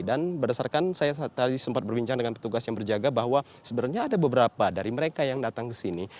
dan berdasarkan saya tadi sempat berbincang dengan petugas yang berjaga bahwa sebenarnya ada beberapa dari mereka yang datang ke sini